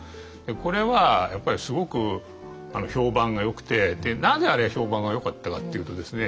これはやっぱりすごく評判がよくてなぜあれが評判がよかったかっていうとですね